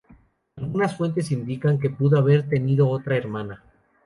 Algunas fuentes indican que pudo haber tenido otra hermana.